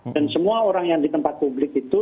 dan semua orang yang di tempat publik itu